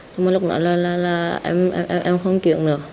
thế mà lúc đó là em không chuyển nữa